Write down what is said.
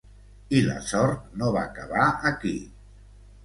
I la sort no va acabar aquí.